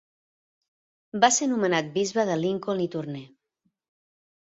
Va ser nomenat bisbe de Lincoln i Tournai.